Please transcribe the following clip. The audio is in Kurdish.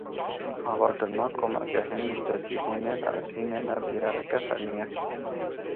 Avakirina komelgehên niştecîbûnê li Efrînê ne biryareke fermî ye.